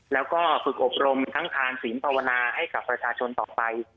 แล้วก็ฝึกอบรมทั้งทานศีลภาวนาให้กับประชาชนต่อไป